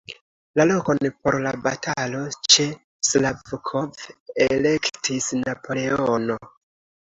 La lokon por la batalo ĉe Slavkov elektis Napoleono.